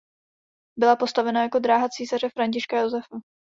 Byla postavena jako Dráha císaře Františka Josefa.